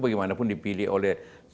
bagaimanapun dipilih oleh